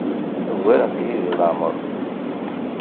Ugarent-iyi deg leɛmeṛ.